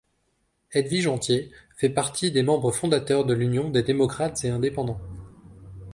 Edwige Antier fait partie des membres fondateurs de l'Union des démocrates et indépendants.